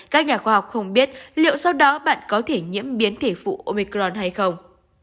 các nhà khoa học không biết liệu sau đó bạn có thể nhiễm biến thể phụ omicron hay không